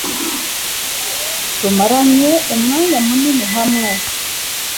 Tumaranye umwanya munini hamwe.